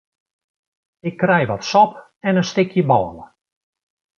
Ik krij wat sop en in stikje bôle.